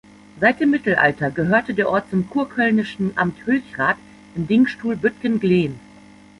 Seit dem Mittelalter gehörte der Ort zum kurkölnischen Amt Hülchrath im Dingstuhl Büttgen-Glehn.